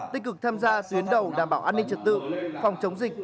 tích cực tham gia tuyến đầu đảm bảo an ninh trật tự phòng chống dịch